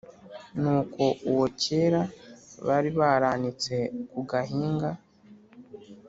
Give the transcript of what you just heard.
Nuko uwo kera bari baranitse ku gahinga,